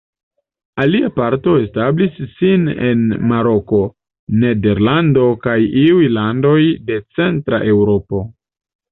Alia parto establis sin en Maroko, Nederlando kaj iuj landoj de Centra Eŭropo.